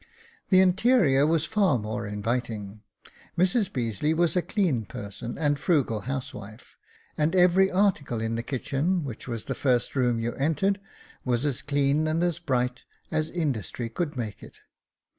The interior was far more inviting ; Mrs Beazeley was a clean person and frugal housewife, and every article in the kitchen, which was the first room you entered, was as clean and as bright as industry could make it.